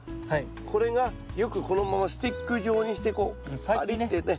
これがよくこのままスティック状にしてこうガリッてね